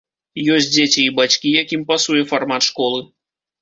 Ёсць дзеці і бацькі, якім пасуе фармат школы.